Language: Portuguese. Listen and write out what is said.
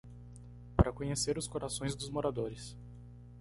Para conhecer os corações dos moradores